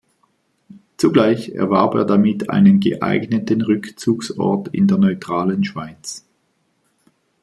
Zugleich erwarb er damit einen geeigneten Rückzugsort in der neutralen Schweiz.